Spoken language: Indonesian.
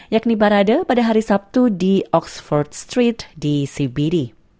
yakni barada pada hari sabtu di oxford street di cbd